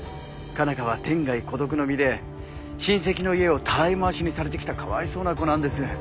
佳奈花は天涯孤独の身で親戚の家をたらい回しにされてきたかわいそうな子なんです。